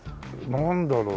なんだろう？